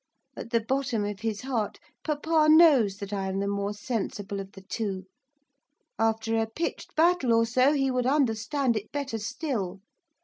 At the bottom of his heart papa knows that I am the more sensible of the two; after a pitched battle or so he would understand it better still.